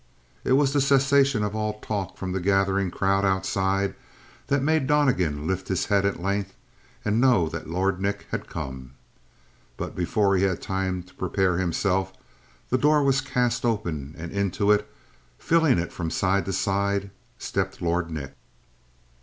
It was the cessation of all talk from the gathering crowd outside that made Donnegan lift his head at length, and know that Lord Nick had come. But before he had time to prepare himself, the door was cast open and into it, filling it from side to side, stepped Lord Nick.